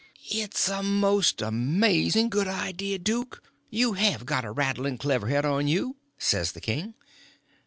"It's a most amaz'n' good idea, duke—you have got a rattlin' clever head on you," says the king.